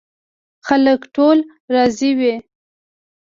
خلک ټول راضي وي.